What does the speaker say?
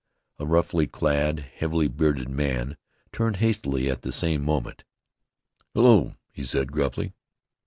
A roughly clad, heavily bearded man turned hastily at the same moment. "Hullo," he said gruffly.